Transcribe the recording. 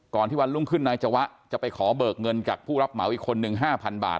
ก่อนที่วันลุ่งขึ้นนายจะวะจะไปขอเบิกเงินกับผู้รับเหมาอีกคนหนึ่งห้าพันบาท